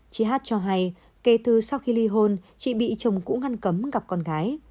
chị a cho hay kể từ sau khi li hôn chị bị chồng cũ ngăn cấm gặp con gái